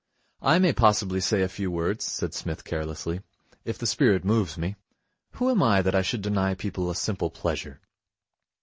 'I may possibly say a few words,' said Psmith carelessly, 'if the spirit moves me. Who am I that I should deny people a simple pleasure?'